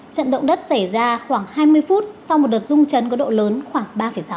trận động đất xảy ra khoảng hai mươi phút sau một đợt rung chấn có độ lớn khoảng ba sáu